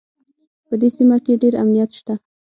په دې سیمه کې ډېر امنیت شته